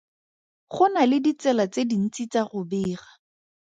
Go na le ditsela tse dintsi tsa go bega.